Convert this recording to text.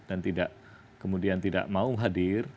dan kemudian tidak mau hadir